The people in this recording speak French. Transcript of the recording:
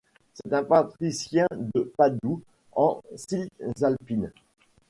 C'est un patricien de Padoue, en Cisalpine.